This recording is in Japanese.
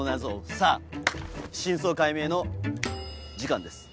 さぁ真相解明の時間です。